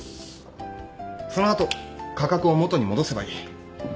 その後価格を元に戻せばいい。